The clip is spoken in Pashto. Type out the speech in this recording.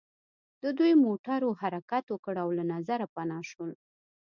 د دوی موټرو حرکت وکړ او له نظره پناه شول